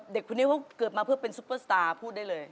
เด็กคนนี้เขาเกิดมาเพื่อเป็นซุปเปอร์สตาร์พูดได้เลย